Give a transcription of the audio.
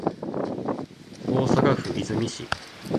大阪府和泉市